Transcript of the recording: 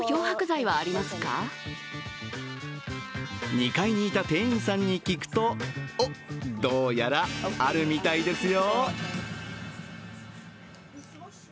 ２階にいた店員さんに聞くと、おっ、どうやらあるみたいですよ。